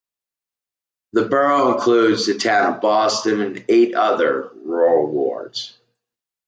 The Borough includes the town of Boston and eight other, rural wards.